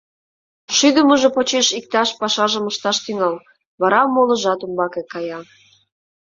Шӱдымыжӧ почеш иктаж пашажым ышташ тӱҥал, вара молыжат умбаке кая.